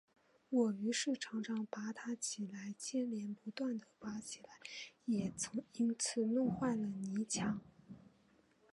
我于是常常拔它起来，牵连不断地拔起来，也曾因此弄坏了泥墙